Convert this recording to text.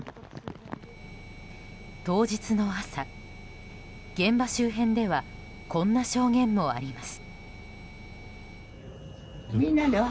当日の朝、現場周辺ではこんな証言もあります。